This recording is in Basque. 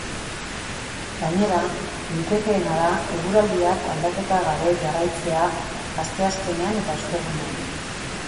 Gainera, litekeena da eguraldiak aldaketarik gabe jarraitzea asteazkenean eta ostegunean.